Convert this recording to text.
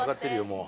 もう。